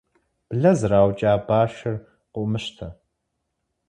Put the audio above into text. Блэ зэраукӏа башыр къыумыщтэ.